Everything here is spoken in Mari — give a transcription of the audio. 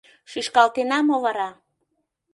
Шӱшкалтена мо вара!